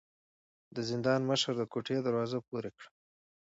د زندان مشر د کوټې دروازه پورې کړه.